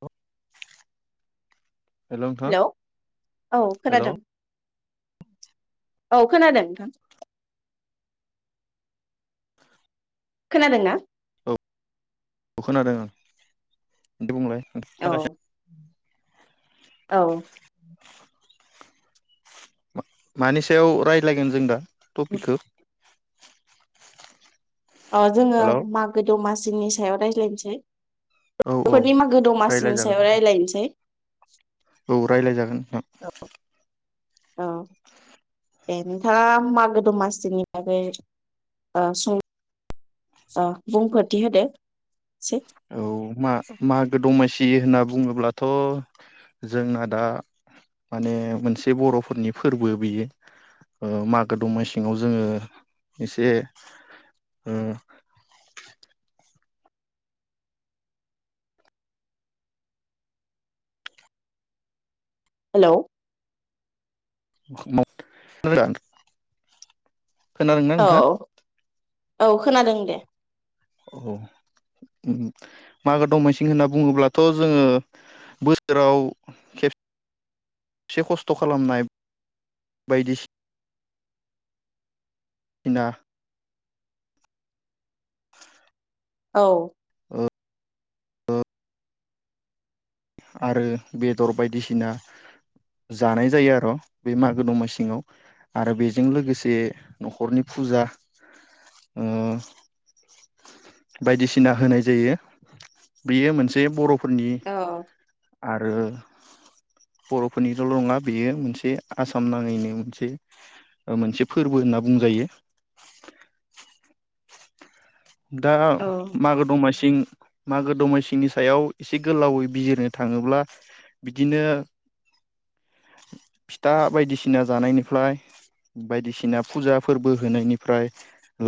औ। हेल' औ हेल' खोनादों। औ औ खोनादों नोंथां। खोनादों ना। खोनादों आं दे बुंलाय। [inaudible] औ औ। मानि सायाव रायज्लायगोन जों दा। टपिकखौ। अ जोङो हेल' औ मागो दमासि जनि सायाव रायज्लायनोसै औ बरफोरनि मागो दमासिनि रायज्लायजागोन सायाव रायज्लायनोसै। [unintelligible] औ रायज्लायजागोन न औ दे नोंथाङा मागो दमासिनि बागै ओ सुं ओ बुंफोरथि होदो। एसे औ मा मागो दमासि। बिदि होनना बुङोब्लाथ जोंना दा माने मोनसे बरफोरनि फोरबो बियो मागो दमासिआव जोङो एसे हेलौ। [unintelligible] खोनादोंना औ नोंथाङा औ खोनादों दे। औ मागो दमसि होनना बुङोब्लाथ' जोङो बोसोराव खेबसे एसे खस्थ खालामनाय बायदिसिना बिना औ। आरो बेदर बायदिसिना जानाय जायो आरो बे मागो दमासिङाव आरो बेजों लोगोसे न'खरनि फुजा ओ बायदिसिना होनाय जायो बेयो मोनसे बर' फोरनि औ आरो बर' फोरनिल' नङा बेयो मोनसे आसाम नाङैनो मोनसे मोनसे फोरबो होनना बुंजायो दा औ मागो दमासिं मागो दमासिंनि सायाव एसे गोलावै बिजिरनो थाङोब्ला बिदिनो फिथा बायदिसिना जानायनिफ्राय बायदिसिना फुजा फोरबो होनायनिफ्राय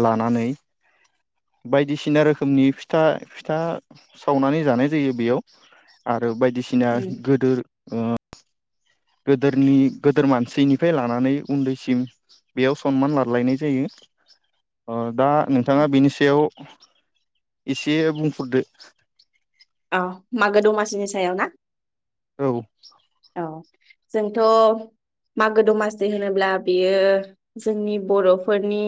लानानै बायदिसिना रोखोमनि फिथा फिथा सावनानै जानाय जायो बेयाव आरो आरो बायदिसिना उम गोदोर गोदोरनि गोदोर मानसिनिफ्राय लानानै उन्दैसिम बेयाव सनमान लालायनाय जायो। दा नोंथाङा बिनि सायाव एसे बुंफोरदो औ मागो दमासिनि सायाव ना औ। ओ जोंथ' मागो दमासि होनोब्ला बेयो जोंनि बर'फोरनि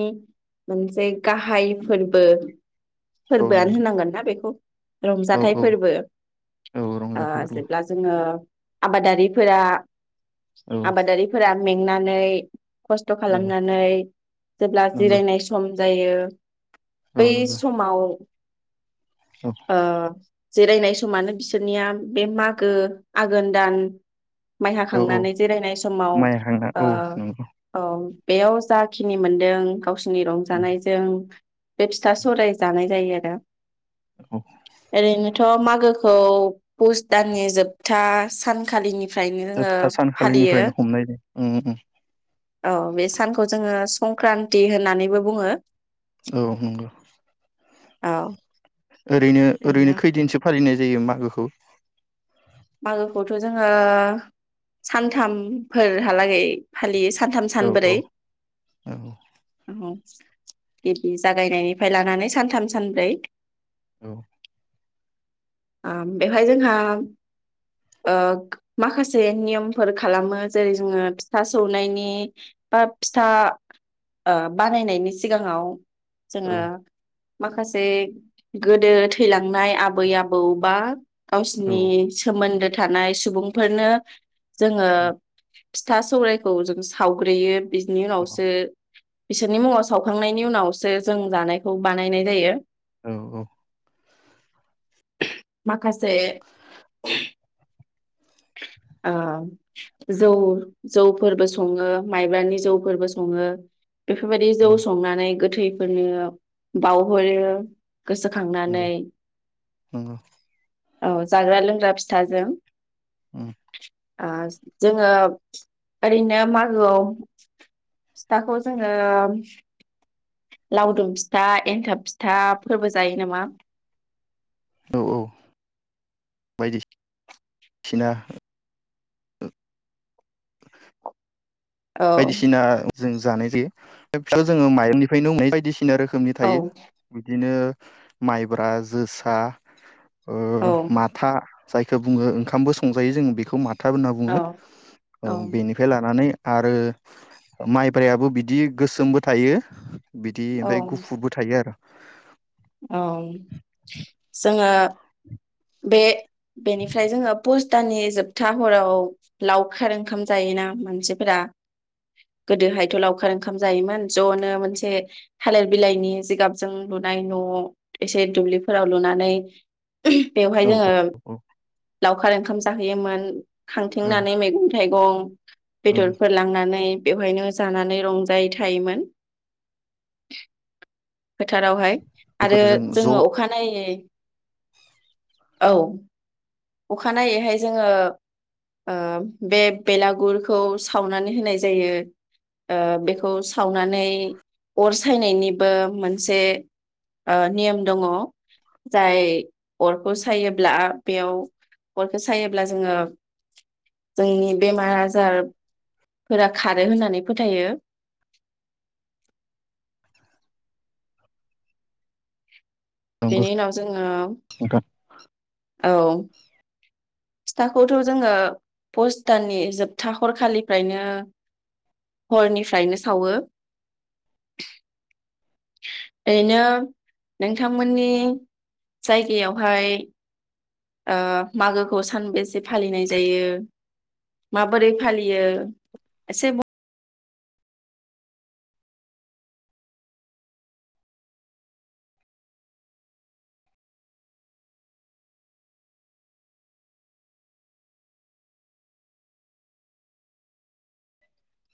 मोनसे गाहाय फोरबो औ फोरबोआनो नंगौ होनांगोनना बेखौ औ रंजाथाइ औ फोरबो औ ओ रंजाथाइ फोरबो जेब्ला जोङो आबादारिफोरा औ आबादारिफोरा मेंनानै खस्थ' औ खालामनानै जेब्ला नंगौ जिरायनाय सम जायो औ बै नंगौ समाव। औ ओ जिरायनाय समानो बिसोरनिया बे मागो आघोन दान माइ औ औ हाखांनानै जिरायनाय समाव माइ हांना औ ओ नंगौ ओ। बेयाव जाखिनि मोनदों गावसोरनि उम रंजानायजों बे फिथा सौराय जानाय जायो आरो। [unintelligible] औ ओरैनोथ' मागो [unintelligible] पुस दाननि जोबथा सानखालिनि फ्रायनो ओ जोबथा फालियो सानखालिनिफ्रायनो हमनाय जायो उम उम ओ बे सानखौ जोङो संक्रान्ति होननानैबो बुङो। औ नंगौ। औ ओरैनो ओरैनो खैदिनसो फालिनाय जायो मागोखौ मागोखौथ' जोङो सानथामफोरहालागै फालियो। सानथाम औ सानब्रै औ औ औ। गिबि जागायनायनिफ्राय लानानै सानथाम सानब्रै। औ। ओ बेवहाय जोंहा ओ माखासे नियमफोर खालामो जेरै जोङो फिथा सौनायनि बा फिथा ओ बानायनायनि सिगाङाव जोङो माखासे गोदो थैलांनाय आबै आबौ बा औ गावसिनि सोमोन्दो थानाय सुबुंफोरनो जोङो फिथा सौरायखौ जों सावग्रोयो। बिनि औ उनावसो बिसोरनि मुङाव सावखांनायनि उनावसो जों जानायखौ बानायनाय जायो। औ औ। माखासे [unintelligible] ओ जौ जौफोरबो सङो माइब्रानि जौफोरबो सङो। बेफोरबायदि औ जौ संनानै गोथैफोरनो बावउहरो। गोसोखांनानै नंगौ नंगौ औ जाग्रा लोंग्रा फिथाजों उम ओ जोङो ओरैनो मागोआव फिथाखौ जोङो लावदुम फिथा एन्थाब फिथाफोरबो जायो नामा औ औ बायदि सिना औ बायदिसिना जों जानाय जायो फिथाखौ जों माइरंनिफ्रायनो बायदिसि खिना रोखोमनि औ थायो बिदिनो माइब्रा जोसा औ ओ माथा जायखौ बुङो ओंखामबो संजायो जोङो बेखौ मा था होनना औ बुङो औ बेनिफ्राय लानानै आरो माइब्रायाबो बिदि गोसोमबो थायो। बिदि औ ओमफ्राय गुफुरबो थायो आरो औ जोङो बे बेनिफ्राय जोङो पस्थ दाननि जोबथा हराव लावखार ओंखाम जायोना मानसिफोरा गोदोहायथ' लावखार ओंखाम जायोमोन ज'नो मोनसे थालिर बिलाइनि जिगाबजों लुनाय न' एसे दुब्लिफोराव लुनानै बेवहाय औ जोङो लावखार ओंखाम जाहैयोमोन। औ खांथिंनानै मैगं थाइगं औ बेदरफोर लांनानै बेवहायनो जानानै रंजायै थायोमोन। फोथारावहाय आरो गुफुरजों ज' जोङो अखानायै औ अखानायैहाय जोङो ओ बे बेलागुरखौ सावनानै होनाय जायो ओ बेखौ सावनानै अर सायनायनिबो मोनसे ओ नियम दङ जाय अरखौ सायोब्ला बेयाव अरखो सायोब्ला जोङो जोंनि बेमार आजारफोरा खारो होननानै फोथायो। नंगौ बेनि उनाव जोङो नोंथां औ। फिथाखौथ' जोङो पस्थ दाननि जोबथा हरखालिफ्रायनो हरनिफ्रायनो सावो। ओरैनो नोंथांमोननि जायगायावहाय ओ मागोखौ सानबेसे फालिनाय जायो माबोरै फालियो एसे बु